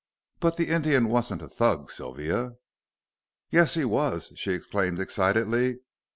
But the Indian wasn't a Thug, Sylvia." "Yes, he was," she exclaimed excitedly.